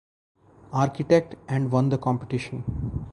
Architect, and won the competition.